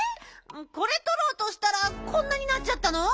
これとろうとしたらこんなになっちゃったの？